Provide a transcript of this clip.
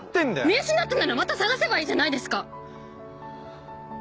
見失ったならまた探せばいいじゃないですか！